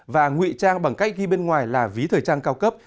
và ngụy trang bằng cách ghi bên ngoài là ví thời trang cao cấp